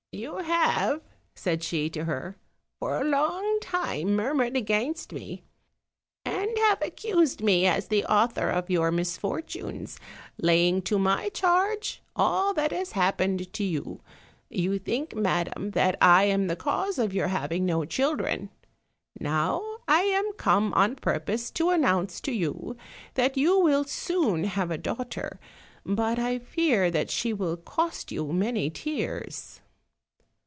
"You have," said she to her, "for a long time murmured against me, and have accused me as the author of your misfortunes, laying to my charge all that has happened to you; you think, madam, that I am the cause of your having no children: now I am come on purpose to announce to you that you will soon have a daughter, but I fear that she will cost you many tears."